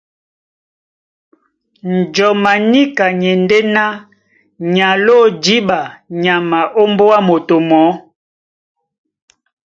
Njɔm a níka ni e ndé ná ni aló jǐɓa nyama ómbóá moto mɔɔ́.